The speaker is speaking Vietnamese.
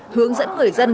hướng dẫn người dân